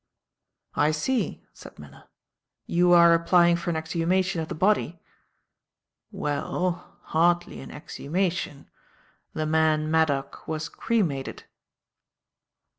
"I see," said Miller. "You are applying for an exhumation of the body?" "Well, hardly an exhumation. The man Maddock was cremated."